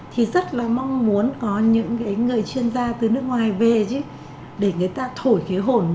thì rất là mong muốn có những người chuyên gia từ nước ngoài về chứ để người ta thổi cái hồn